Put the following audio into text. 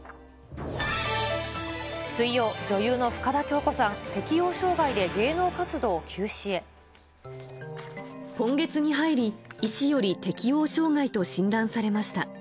水曜、女優の深田恭子さん、今月に入り、医師より適応障害と診断されました。